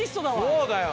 そうだよ。